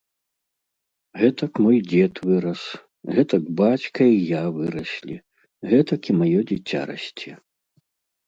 Гэтак мой дзед вырас, гэтак бацька і я выраслі, гэтак і маё дзіця расце.